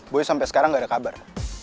boy sampe sekarang gak ada kabar